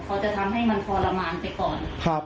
เขาจะทำให้มันทรมานไปก่อนเขาจะทำให้ทรมานไป